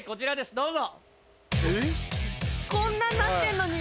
どうぞ。